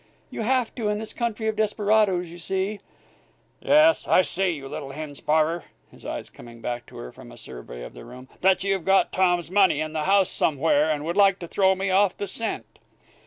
You have to, in this country of desperadoes. You see " "Yes, I see, you little hen sparrer," his eyes coming back to her from a survey of the room, "that you've got Tom's money in the house here, and would like to throw me off the scent!"